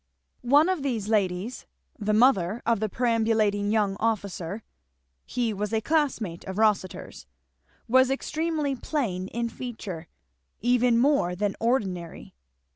One of these ladies, the mother of the perambulating young officer (he was a class mate of Rossitur's), was extremely plain in feature, even more than ordinary.